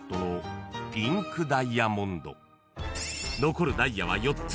［残るダイヤは４つ］